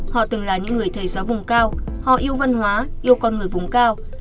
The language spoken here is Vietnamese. họ từng là những người thầy giáo vùng cao họ yêu văn hóa yêu con người vùng cao